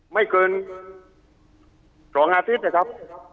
ไม่เกิน๒อาทิตย์นะครับ